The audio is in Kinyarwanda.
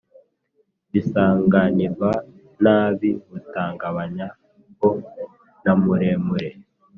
Bigasanganirwa n’ ab’ i Butagabanya ho na Muremure,